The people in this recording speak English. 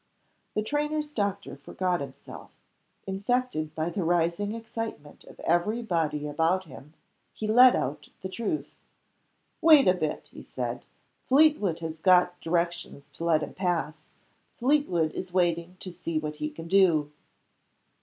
The trainer's doctor forgot himself. Infected by the rising excitement of every body about him, he let out the truth. "Wait a bit!" he said. "Fleetwood has got directions to let him pass Fleetwood is waiting to see what he can do."